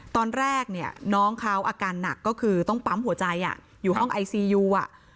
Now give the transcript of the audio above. ตอนแรกเนี่ยน้องเขาอาการหนักก็คือต้องปั๊มหัวใจอยู่ห้องไอซียูอ่ะ